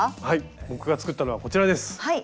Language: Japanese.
僕が作ったのはこちらです。